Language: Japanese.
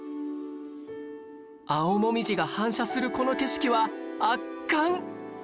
青もみじが反射するこの景色は圧巻！